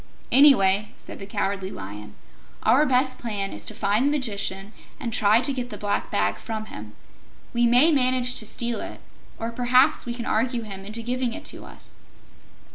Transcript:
"Anyway," said the Cowardly Lion, "our best plan is to find the Magician and try to get the Black Bag from him. We may manage to steal it, or perhaps we can argue him into giving it to us."